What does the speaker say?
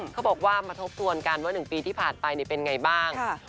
เขาบอกว่ามาทบทวนกันว่า๑ปีที่ผ่านไปเป็นไงบ้าง